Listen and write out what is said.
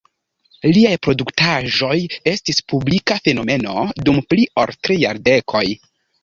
Liaj produktaĵoj estis publika fenomeno dum pli ol tri jardekoj.